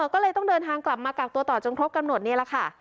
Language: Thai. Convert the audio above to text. ก็เลยต้องเดินทางกลับมากักตัวต่อจนครบกำหนดนี่แหละค่ะ